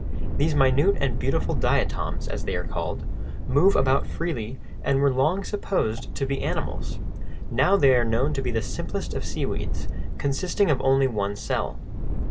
These minute and beautiful diatoms, as they are called, move about freely, and were long supposed to be animals; now they are known to be the simplest of seaweeds, consisting of only one cell.